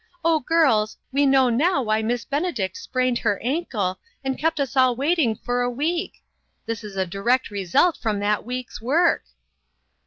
Oh, girls, we know now why Miss Benedict sprained her ankle, and kept us all waiting for a week ! This is a direct result from that week's work."